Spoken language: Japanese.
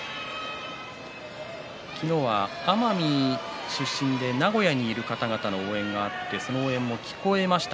昨日は奄美出身で名古屋にいる方々の応援がありましたがその応援も聞こえました。